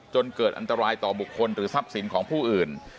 จนเกิดอันตรายต่อบุคคลหรือทรัพย์สินของผู้อื่น